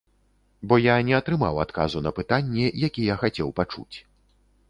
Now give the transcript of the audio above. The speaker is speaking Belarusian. Бо я не атрымаў адказу на пытанне, які я хацеў пачуць.